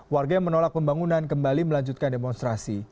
warga yang menolak pembangunan kembali melanjutkan demonstrasi